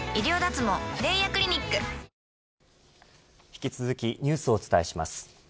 引き続きニュースをお伝えします。